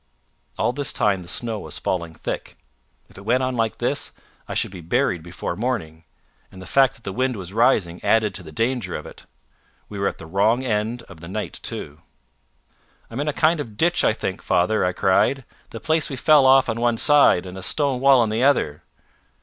All this time the snow was falling thick. If it went on like this, I should be buried before morning, and the fact that the wind was rising added to the danger of it. We were at the wrong end of the night too. "I'm in a kind of ditch, I think, father," I cried the place we fell off on one side and a stone wall on the other."